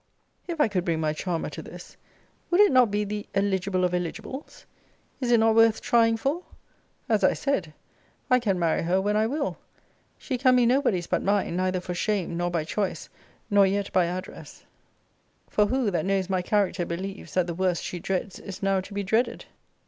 If I could bring my charmer to this, would it not be the eligible of eligibles? Is it not worth trying for? As I said, I can marry her when I will. She can be nobody's but mine, neither for shame, nor by choice, nor yet by address: for who, that knows my character, believes that the worst she dreads is now to be dreaded?